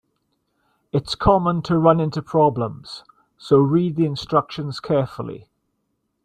It's common to run into problems, so read the instructions carefully.